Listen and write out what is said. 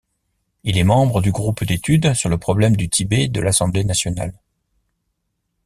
Il est membre du groupe d'études sur le problème du Tibet de l'Assemblée nationale.